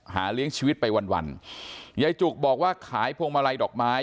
เลี้ยงชีวิตไปวันวันยายจุกบอกว่าขายพวงมาลัยดอกไม้